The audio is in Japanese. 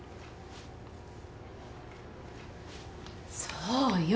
そうよ。